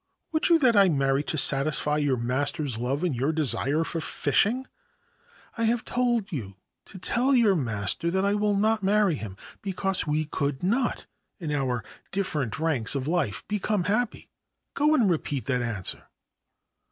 'Would you that I married to satisfy your master's love and your desire for fishing ? I have told you to tell your master that I will not marry him, because we could not, in our different ranks of life, become happy. Go and repeat that answer.'